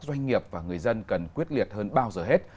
doanh nghiệp và người dân cần quyết liệt hơn bao giờ hết